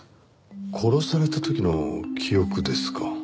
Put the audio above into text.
殺された時の記憶ですか？